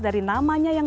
kemarin ada ppkm